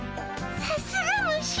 さすが虫。